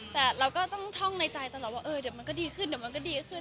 แต่เราก็ต้องท่องในใจเอาว่าเดี๋ยวมันก็ดีขึ้น